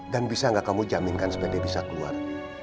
dan bisa gak kamu jamin kan sepeda bisa keluar